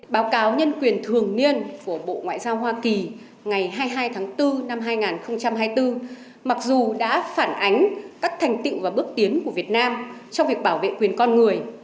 báo cáo nhân quyền thường niên của bộ ngoại giao hoa kỳ ngày hai mươi hai tháng bốn năm hai nghìn hai mươi bốn mặc dù đã phản ánh các thành tiệu và bước tiến của việt nam trong việc bảo vệ quyền con người